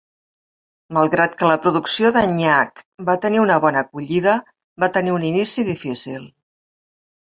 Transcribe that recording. Malgrat que la producció de Nyack va tenir una bona acollida, va tenir un inici difícil.